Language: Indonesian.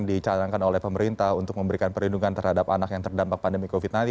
dicanangkan oleh pemerintah untuk memberikan perlindungan terhadap anak yang terdampak pandemi covid sembilan belas